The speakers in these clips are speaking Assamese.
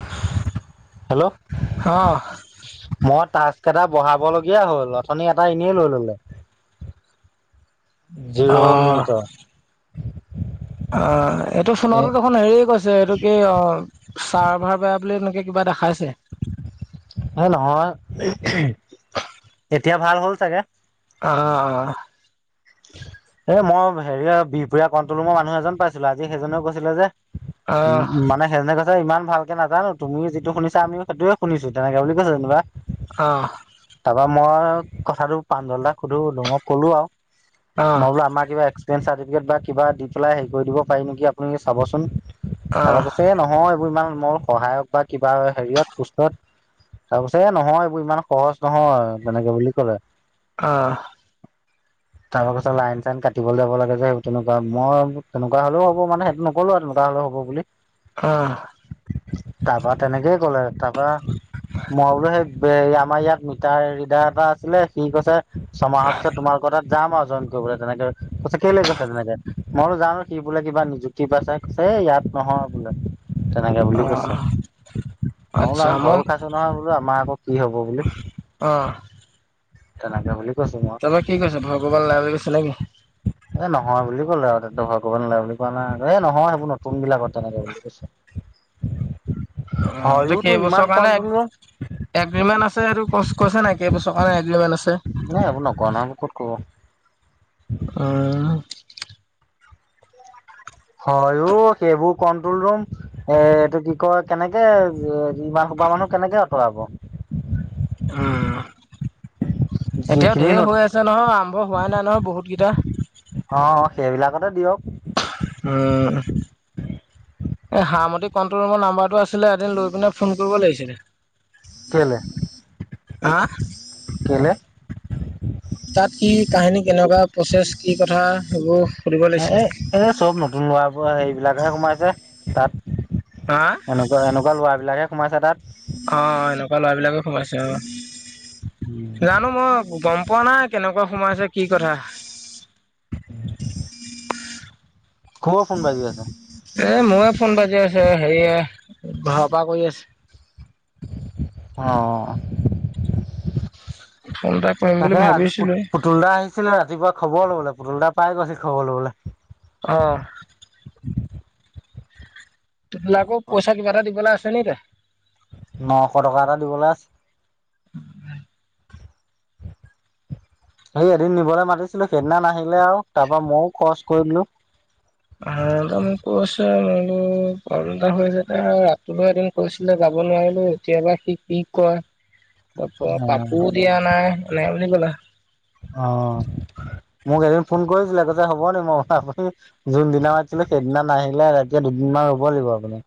[inaudible] হেল্ল', অ', মই তাচ কেইটা বহাব লগীয়া হ'ল অথনি এটা এনেই লৈ ল'লে। জিৰ' অ', মিনিটত। আ, এইটো ফোনটো দেখোন হেৰিয়ে কৈ ছে এইটো কি অ চাৰভাৰ বেয়া বুলি এনেকে কিবা দেখাইছে এ নহয় এতিয়া ভাল হ'ল চাগে অ হা অ এ মই হেৰি বিহপুৰীয়া কণ্টলৰুমৰ মানুহ এজন পাইছিলো আজি সেইজনেও কৈছিলে যে অ', উ মানে সেজনে কৈ ছে ইমান ভালকে নাজানো তুমি যিটো শুনিছা আমি সেইটোয়ে শুনিছো তেনেকে বুলি কৈছে যেনিবা অ তাপা মই কথাটো প্ৰাঞ্জল দাক সুধোলুঙ অ কলো আও মই বোলো আমাৰ কিব এক্সপ্ৰীয়েন চাৰ্টিফেট বা কিবা দি পেলাই হে কৰি দিব পাৰি নেকি আপুনি চাবচোন অ', তাপা কৈছে নহয় এইবোৰ ইমান মই বোলো সহায়ক বা কিবা হেৰিয়ত পুষ্টত তাৰ পিছত এ নহয় এইবোৰ ইমান সহজ নহয় তেনেকে বুলি কলে অঁ তাৰ পিছত লাইন চাইন কাটিব যাব লাগে যে সেই তেনেকুৱা মই তেনেকুৱা হলেও হ'ব মানে সেইটো নো- ক'লো তেনেকুৱা হ'লেও হ'ব বুলি। অঁ তাপা তেনেকেই ক'লে তাপা মই বোলো সেই আমাৰ ইয়াত মিটাৰ ৰিডাৰ এটা আছিলে সি কৈছে ছমাহৰ পিছত তোমাৰ যাম আৰু জইন কৰিবলৈ তেনেকে কৈছে কেলে তেনেকে মই বোলো জানো সি বোলে কিবা নিযু কিবা চাইত ছে ইয়াত নহয় বোলে তেনেকে বুলি অ', কৈছে মই বোলো আচ্ছা আমি মই ভয়ো খাইছো। নহয় বোলো আমাৰ আকৌ হব বুলি। অঁ তেনেকে বুলি কৈছো মই। ঘৰত কি কৈছে ভয় কৰিব নালাগে বুলি কৈছে নেকি এ নহয় বুলি ক'লে আৰু তহঁতে ভয় কৰিব নালাগে বুলি কোৱা নাই এ নহয় সেইবোৰ নতুন বিলাকত। তেনেকে বুলি কৈছে। অঁ হয়ওতো ইমান কেইবছৰ কাৰণে কণ্ট্ৰল ৰুম এগ্ৰিমেণ্ট আছে এইটো কৈছে নাই কেইবছৰ কাৰণে এগ্ৰিমেণ্ট আছে। নাই এইবোৰ নকয় নহয় ক'ত কব। অঁ হয়ো সেইবোৰ কন্ট্ৰল ৰুম এ এইটো কি কয় কেনেকে- ইমান সোপাহ মানুহ কেনেকে আঁতৰাব। উম এতিয়াও যিখিনি ন ধেৰ হৈ আছে নহয়, আৰম্ভ হোৱা নাই নহয় বহুত কেইটা। অঁ অঁ সেইবিলাকতে দিয়ক। উম এ হামতি কন্ট্ৰল ৰুমৰ নাম্বাৰটো আছিলে এদিন লৈ পিনে ফোন কৰিব লাগিছিলে। কেলে হা কেলে। তাত কি কাহিনী কেনেকুৱা প্ৰচেছ কি কথা সেইবোৰ। সুধিব লাগিছিলে। এ এ চব নতুন লৰা হেবিলাকহে সোমাইছে তাত হা এনেকে- সেনেকুৱা ল'ৰা বিলাকে সোমাইছে তাত। অঁ এনেকুৱা ল'ৰাবিলাকে সোমাইছে অঁ। জানো মই গম পোৱা নাই কেনেকুৱা সোমাইছে কি কথা। খুব ফোন বাজি আছে। এ মোয়ে ফোন বাজি আছে হেৰিয়ে ঘৰৰ পৰা কৰি আছে। অঁ ফোন এটা কৰিম বুলি তাকে আজি পোট- ভাবিছিলোৱে। পুতুল দা আহিছিলে ৰাতিপুৱা খবৰ ল'বলৈ পুতুলদা পাই গৈছিল খবৰ ল'বলে। অঁ লাকৌক পইচা কিবা এটা দিবলৈ আছেনি? নশ টকা এটা দিবলৈ আছে। সেই এদিন নিবলৈ মাতিছিলো সেইদিনা নাহিলে আও তাৰ পৰা মইয়ো খৰচ কৰি দিলো। উ [unintelligible] একদম কৈছে মইয়ো প্ৰব্লেম এটা হৈছে, ৰাতিপুৱা এদিন কৈছিলে যাব নোৱাৰিলো। এতিয়াবা সি কি কয়। [inaudible] তাপা কাপোৰ দিয়া নাই সেনেকে বুলি ক'লে। অঁ, মোক এদিন ফোন কৰিছিলে কৈছে যে হ'ব দে মই কথা পাতিম। যোনদিনা মাতিছিলে সেইদিনা নাহিলে এতিয়া দুদিনমান ৰব লাগিব আপুনি।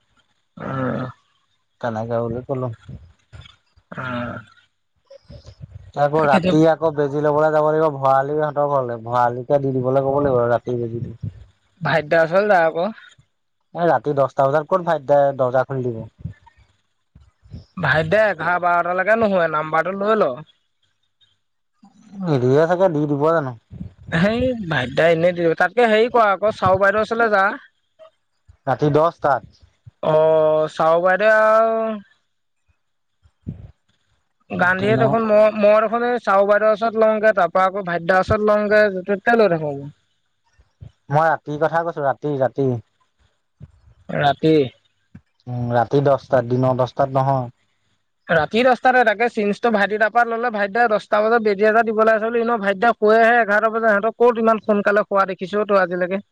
উম। তেনেকে বুলি কলো। উম। আকৌ ৰাতি ইয়াত, আকৌ বেজি লব যাব লাগিব ভৰালিহঁতৰ ঘৰলে, ভৰালিকে দি দিবলৈ ক'ব লাগিব আৰু ৰাতি বেজি দি। ভাইদা ওচলে যা আক। এ ৰাতি দছটা বজাত ক'ত ভাইতদাই দৰ্জা খুলি দিব। ভাইতদাই এঘাৰ বাৰটা লাগে নোশুৱে, নাম্বাৰটো লৈ ল। নিদিয়ে চাগে, দি দিব জানো? সেই ভাইতদা এনেই দি দিব, তাতকে হেৰি কৰা আক চাও বাইদেউ ওচৰলে যা। ৰাতি দছটাত। অ, চাও বাইদেউ আও গান্ধীয়ে দিনৰ দেখোন ম মৰ চাও বাইদেউৰ ওচৰত লওঁগে, তাৰ পৰা আকৌ ভাইতদাৰ ওচৰত লওঁগে, যতে ততে লৈ থাকো। মই ৰাতিৰ কথা কৈছো ৰাতি ৰাতি। ৰাতি? উম ৰাতি দছটাত, দিনৰ দছটাত নহয়। ৰাতি দছটাতে তাকে চিনছটো ভাইটিদা পা ললে ভাইতদাই দছটা বজাত বেজি এটা দিব আছে বুলি এনেও ভাইটিদাক কৈহে, এঘাৰ বজাত সিহঁতক কত ইমান সোনকালে হোৱা দেখিছো তই আজিলৈকে।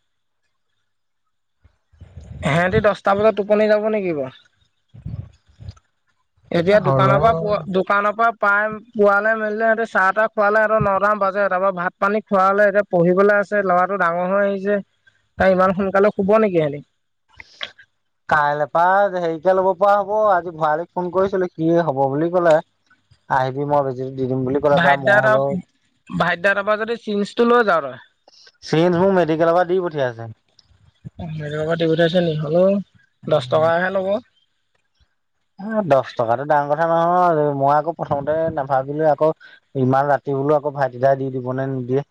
সিহঁতি দশটা বজাত টোপনি যাব নেকি বাও। এতিয়া দোকানৰ পৰা হ'লেও পোৱা দোকানৰ পৰা পাই পোৱালে মেলিলে সিহঁতে চাহ তা খোৱালে সিহঁতৰ নটা মান বাজে, তাৰ পৰা ভাত পানী খোৱা হলে এতিয়া পঢ়িবলৈ আছে ল'ৰাটো ডাঙৰ হৈ আহিছে, তাই ইমান সোনকালে শুব নেকি এহেতি। [inaudible] কাইলৈ পৰা হেৰিকে লব পৰা হব, আজি ভৰালিক ফোন কৰিছিলো সি হব বুলি ক'লে। আহিবি মই বেজ- জি দি দিম বুলি। ক'লে বা ভাইটি দা মই তাওব, হ'লেও ভাইটি দা তা পা যদি চিনছটো লৈ যাওঁ তই চিঞ্জবো মেডিকেলৰ পৰা দি পঠিযাইছে। অ মেটৰ পাতি পঠাইছে নি হ'লোও দছ টকাহে ল'ব। দছ টকাতটো ডাঙৰ কথা নহয় মই আকৌ প্ৰথমতে নাভাবিলো আকৌ ইমান ৰাতি বোলো আকৌ ভাইটিদাই দি দিব নে নিদিয়ে।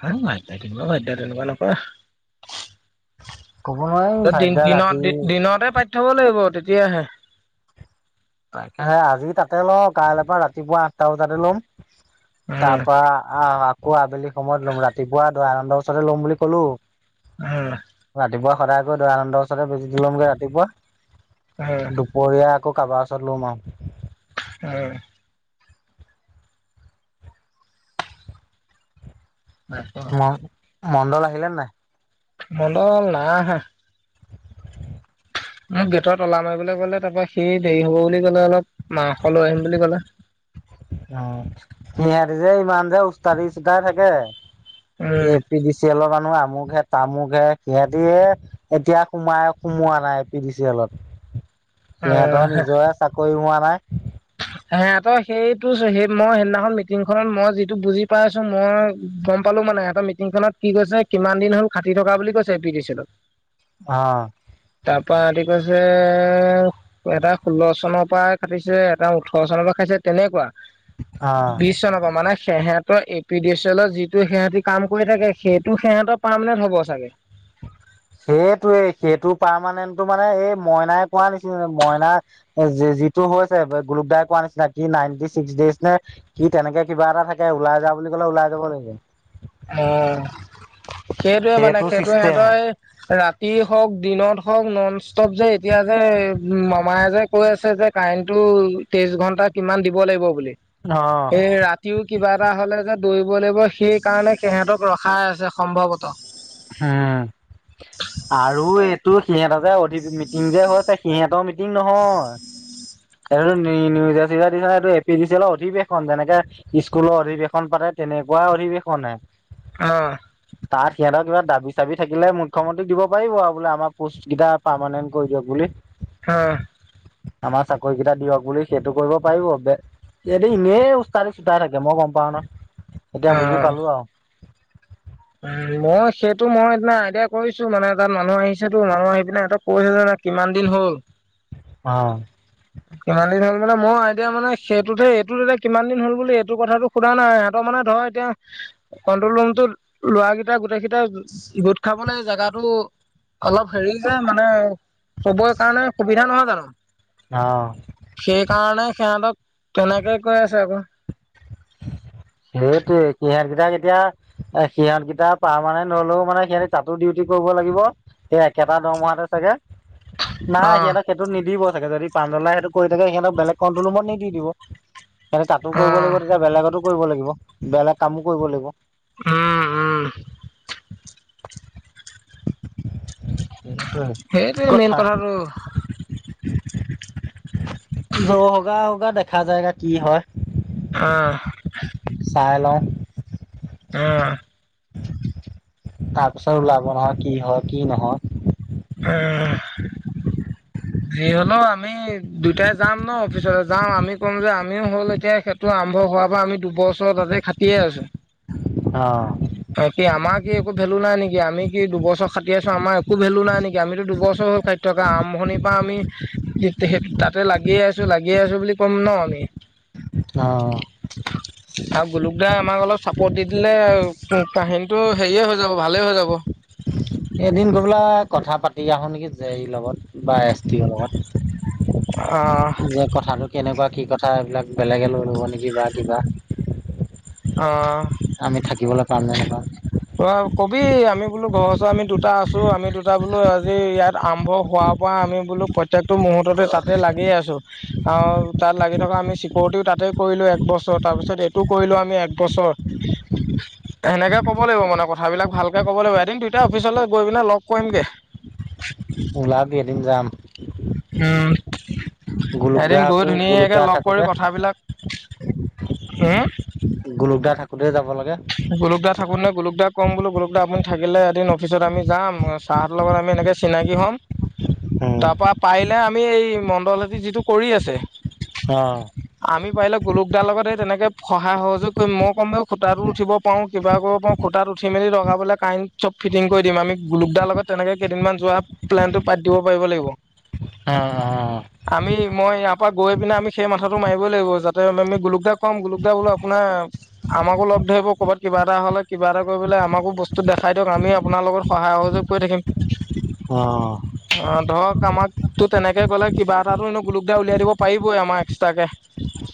হয় নাই ভাইটি দাই দিব ভাইটি দাই তেনেকুৱা নকৰে। ক'ব নোৱাৰিম ত ভাইটিদাই দিনত ৰাতি দিনতে পাতি থব লাগিব, তেতিয়াহে। তাকে, আজি তাতে লও, কাইলৰ পৰা ৰাতিপুৱা আঠটা বজাতে লম। তা উম পা আহ আকৌ আবেলি সময়ত লম, ৰাতিপুৱা দয়ানন্দ ওচৰতে লম বুলি ক'লো। আহ। ৰাতিপুৱা সদায় গৈ দয়ানন্দৰ ওচৰতে বেজিটো লমগে ৰাতিপুৱা, উম দুপ- পৰীয়া আকৌ কাৰবাৰ ওচৰত লম আও। হয়। উম মন মণ্ডল আহিলে নাই? মন্দল নাই অহা। মই গেটত তলা মাৰিবলৈ ক'লে তাৰপৰা সি দেৰি হ'ব বুলি ক'লে অলপ মাংস লৈ আহিম বুলি ক'লে। অ হিহাতি যে ইমান যে ওস্তাদি সুদাই থাকে A um P D C চিয়েলৰ মানুহ আমুক হে তামুক হে সিহঁতিয়ে, এতিয়া সোমাই সোমোৱা নাই এ পি ডি চি এলত। অ সিহঁতৰ নিজৰে চাকৰি হোৱা নাই। হে তই সেইটো সেই মই সেইদিনাখন মিটিংখনত মই যিটো বুজি পাইছো মই গম পালো মানে এটা মিটিং খনত কি কৈছে কিমান দিন হল খাটি থকা বুলি কৈছে এ পি দি চি এলত। অ। তাৰ পা সিহঁতি কৈছে এ এটা ষোল্ল চনৰ পৰাই খাতিছে। এটা ওঠৰ চনৰ পৰা খাটিছে তেনেকুৱা অ বিশ চনৰ পৰা মানে হিহতৰ এ পি ডি চি এলৰ যিটো সিহঁতি কাম কৰি থাকে সেইটো সিহঁতৰ পাৰমানেণ্ট হ'ব চাগে, সেইটোৱে সেইটো পাৰমানেণ্টটো মানে এই মইনাই কোৱা নিচিনা মইনাৰ, যি যিটো হৈছে গুলুকদায় কোৱা নিচিনাই কি নাইনটি ছিক্স ডেইজ নে, কি তেনেকে কিবা এটা থাকে ওলাই যা বুলি ক'লে ওলাই যাব লাগিব, অ সেইটোৱে মানে সেইটো সিহঁতৰ, এ ৰাতি হওক দিনত হওক নন ষ্টপ যে এতিয়া যে মামায় যে কৈ আছে যে কাৰেণ্টটো তেইশ ঘন্টা কিমান দিব লাগিব বুলি। অ' এ ৰাতিও কিবা এটা হলে যে দৌৰিব লাগিব সেই কাৰণে সিহঁতক ৰখাই আছে সম্ভৱত। উম আৰু এইটো সিহঁত যে অধি মিটিং যে হৈছে সিহেত মিট- টিঙ নহয় এইটো নি নিউজে চিউজে দিছে এ পি ডি চি এলৰ অধিৱেশন যেনেকে, স্কুলৰ অধিৱেশন পাতে তেনেকুৱা অধিৱেশন হে, এনেই তাত সিহঁতৰ কিবা দাবী চাবি থাকিলে মুখ্যমন্ত্ৰীক দিব পাৰিব আৰু বোলে আমাৰ পষ্ট কেইটা পাৰ্মমানেণ্ট কৰি দিয়ক বুলি, হয় আমাৰ চাকৰি কেইটা দিয়ক বুলি সেইটো কৰিব পাৰিব বে সিহঁতি ইনেই ওস্তাদি চোতাই থাকে মই গম পাও ন এতিয়া বুজি পালো আৰু, উ মই সেইটো মই সেদিনা আইডিয়া কৰিছো মানে তাত মানুহ আহিছেতো মানুহ আহি পিনে সিহঁতক কৈছে যে কিমান দিন হ'ল, অ কিমান দিন হল মানে মই আইদিয়া মানে সেইটোতহে এইটোত তেতিয়া কিমান দিন হল বুলি এইটো কথাটো সোধা নাই সিহঁতৰ মানে ধৰ, এতিয়া কন্ট্ৰল ৰুমটোৰ, লৰাকেইটা গোটেইকেইটা গোট খাবলে জেগাটো, অলপ হেৰি যে মানে হবৈ কাৰণে সুবিধা নহয় জানো? অ সেইকাৰণে সিহঁতক তেনেকে কৈ আছে আকৌ সেইটোৱে সিহত কেইটাক এতিয়া এ সিহঁতকেইটা পাৰমানেণ্ট হলেও মানে সিহঁতে তাতো ডিউটি কৰিব লাগিব সেই একেটা দৰমহাতে চাগে অ নাই সিহঁতক সে টো নিদিব চাগে যদি প্ৰাঞ্জল দাই সেইটো কৰি থাকে সিহঁক বেলেগ কণ্ট্ৰল ৰুমত নি দি দিব, এ তাতো অ কৰিব লাগিব তেতিয়া বেলেগতো কৰিব লাগিব বেলেগ কামো কৰিব লাগিব, উম উম সেইটোৱে সেইটোৱে মেইন কথা, কথাটো জৌ হৌগা হৌগা দেখা যায়েগা কি হয়, অঁ চাই লও উম তাৰপিছত ওলাব নহয় কি হয় কি নহয় উম যি হলেও আমি দুইটাই যাম ন অফিচলে যাম আমি ক'ম যে আমিও হ'ল এতিয়া খেত টো আৰম্ভ হোৱাৰ পৰা আমি দুবছৰ তাতে খাটিয়ে আছো অ কি আমাৰ কি একো ভেলু নাই নিকি আমি কি দুবছৰ খাতি আছো আমাৰ একো ভেলু নাই নিকি আমিতো দুবছৰ হ ঠাইত থকা আৰম্ভণি বা আমি সেই তাতে লাগিয়ে আছো লাগিয়ে আছো বুলি ক'ম ন আমি অ আৰু গোলুক দাই আমাক অলপ চাপৰ্ট দি দিলে আউ কাহিনীটো হেৰিয়ে হৈ যাব ভালে হৈ যাব এদিন গৈ পেলাই কথা পাতি আহো নেকি জে ই লগত বা এছ টি লগত অ যে কথাটো কেনেকুৱা কি কথা এইবিলাক বেলেগে লৈ ল'ব নেকি বা কিবা অ আমি থাকিবলৈ পাম নে নেপাম? ত কবি আমি বোলো ঘৰৰ ওচৰত আমি দুটা আছো আমি দুটা বোলো আজি ইয়াত আৰম্ভ হোৱা পৰা আমি বোলো প্ৰত্যেকটো মুহৰ্ততে তাতে লাগিয়েই আছো আৰু তাত লাগি থকা আমি চিকৰটিও তাতেই কৰিলো একবছৰ তাৰ পিছত এইটো কৰিলো আমি একবছৰ [unintelligible] সেনেকে ক'ব লাগিব মানে কথাবিলাক ভালকে ক'ব লাগিব এদিন দুইতাই অফিচলৈ গৈ পিনে লগ কৰিমগে ওলাবি এদিন যাম উম গোলোক দা এদিন গৈ আকৌ গোলোক ধুনীয়াকৈ দা লগ থাকোতে কৰি কথাবিলাক হু গুলুকদা থাকোতে যাব লাগে। গুলোক দা থাকোতে ন গুলোক দাক কম বোলো গুলোক দা আপুনি থাকিলে এদিন অফিচত আমি যাম। তাহাঁত লগত আমি এনেক চিনাকি হ'ম [inaudible] তাৰ পৰা পাৰিলে আমি এই মণ্ডল হেতি যিটো কৰি আছে অ আমি পাৰিলে গুলোক দাৰ লগত এই তেনেকে সহায় সহযোগ কৰিম মই কম ব খুতাটো, উঠিব পাৰোঁ কিবা কৰিব পাৰোঁ খুটাত উঠি মেলি লগাবলৈ কাৰেণ্ট চব ফিটিং কৰি দিম আমি গুলোকদাৰ লগত, তেনেকে কেইদিনমান যোৱা প্লেনটো পাতি দিব পাৰিব লাগিব। অ অ অ আমি মই ইয়াৰ পৰা গৈ পিনে আমি সেই মাথাটো মাৰিবই লাগিব যাতে আমি গুলোকদাক কাম গুলোকদা বোলো আপোনাৰ, আমাকো লগ ধৰি ক'বাত কিবা এ হ'লে কিবা এটা কৰি পেল আমাকো বস্তু দেখাই দিয়ক আমি আপোনাৰ লগত সহায় সহযোগ কৰি থাকিম। [inaudible] অঁ অ ধৰক আমাক তো তেনেকে ক'লে কিবা এটাতো এনো গুলোকদাই উলিয়াই দিব পাৰিবই আমাক এক্সট্ৰাকে।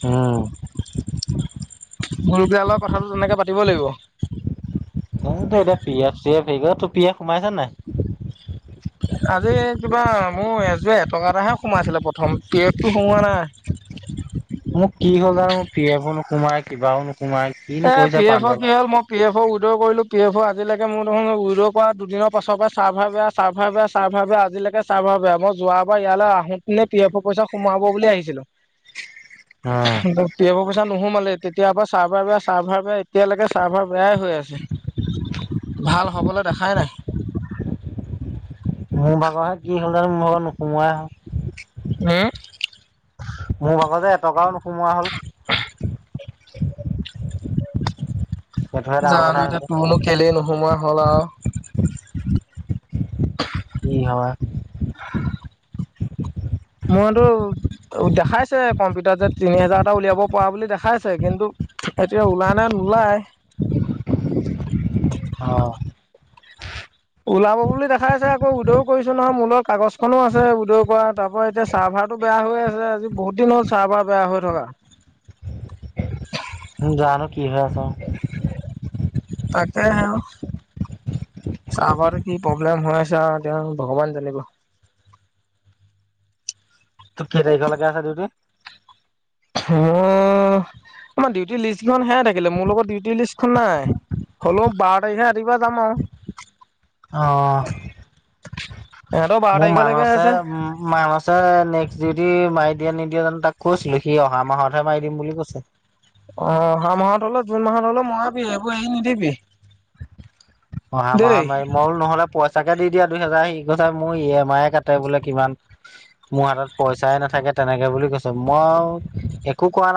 উম্। গুলোক দাৰ লগত কথাটো তেনেকে পাতিব লাগিব। মই তো এতিয়া পি এফ চি এফ হেৰি তোৰ পি এফ হোমাইছে নাই? আজি কিবা মোৰ আজি এটকাটাহে সোমাইছিলে প্ৰথম পি এফটো সোমোৱা নাই। মোক কি হ'ল আৰু মোৰ পি এফো নোকোমাই কিবাও নোসোমাই কিনো এ কৰিছে পি এফৰ পাঞ্জলে কি হ'ল মোৰ পি এফ অ উইড'ল কৰিলোঁ পি এফ' আজিলৈকে মোৰ দেখোন উইড'ল কৰা দুদিনৰ পাছৰ পৰাই চাৰ্ভাৰ বেয়া [unintelligible] চাৰ্ভাৰ বেয়া চাৰ্ভাৰ বেয়া আজিলৈকে চাৰ্ভাৰ বেয়া মই যোৱাবাৰ ইয়ালৈ আহো পিনে পি এফৰ পইচা সোমাব বুলি আহিছিলো। অ পি এফ পইচা নোহোমালে তেতিয়াৰ পৰা চাৰ্ভাৰ বেয়া চাৰ্ভাৰ বেয়া এতিয়ালৈকে চাৰ্ভাৰ বেয়াই হৈ আছে, ভাল হবলে দেখাই নাই। মোৰ ভাগৰহে কি হ'ল জানো? মোৰ ভাগৰ নোসোমোৱাই হ'ল। হো মোৰ ভাগৰ যে এটকাও নোসোমোৱা হ'ল। [unintelligible] সেইটোহে ডাঙৰ কথা জানো এতিয়া হৈছে তোৰনো কেলেই নোসোমোৱা হ'ল আও। কি হয়? মোৰটো দেখাইছে কম্পিউটাৰ যে তিনি হাজাৰ এটা উলিয়াব পৰা বুলি দেখাইছে, কিন্তু এতিয়া ওলাই নে নোলাই? অ ওলাব বুলি দেখাইছে আকৌ উদ্যও কৰিছোঁ নহয় মোৰ লগত কাগজ খনো আছে উদ্যও কৰা তাৰ পৰা এতিয়া চাৰ্ভাৰ টো বেয়া হৈ আছে, আজি বহুত দিন হল চাৰ্ভাৰ বেয়া হৈ থকা। উ জানো কি হৈ আছে। তাকে হে অ। চাৰ্ভাৰটো কি প্ৰব্লেম হৈ আছে আও এতিয়া ভগৱানে জানিব। তোৰ কি তাৰিখলেকে আছে ডিউটি? মই, আমাৰ ডিউটি লিষ্টখন সেয়াই থাকিলে মোৰ লগত ডিউটি লিষ্টখন নাই। হ'লো বাৰ তাৰিখে ৰাতিপুৱা যাম আও। অ ইহঁতৰ বাৰ মোৰ তাৰিখলৈকে মানছে আছে মান নেক্সট ডিউটি মাৰি দিয়ে নিদিয়ে জানো তাক কৈছিলো, সি অহা মাহতহে মাৰি দিম বুলি কৈছে। অ অহা মাহত হ'লেও জুন মাহত হলে মৰাবি এইবোৰ এৰি নিদিবি। অহা দেই মাহত মাৰিম, মই বোলো নহ'লে পই তাকে দি দিয়া দুহেজাৰ সি কৈছে মোৰ ই এম আইয় কাটে বোলে কিমান। মোৰ হাতত পইচাই নাথাকে তেনেকে বুলি কৈছে মই একো কোৱা নাই।